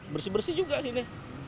bersih bersih juga sini